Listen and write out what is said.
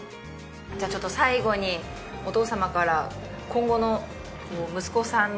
じゃあちょっと最後にお父様から今後の息子さんに向けて。